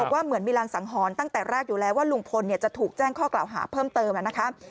ว่าเหมือนมีรางสังหรณ์ตั้งแต่แรกอยู่แล้วว่าลุงพลจะถูกแจ้งข้อกล่าวหาเพิ่มเติมนะครับ